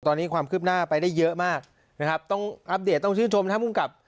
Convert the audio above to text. ตอนนี้ความคืบหน้าไปได้เยอะมากนะครับต้องอัปเดตต้องชื่นชมท่านภูมิกับ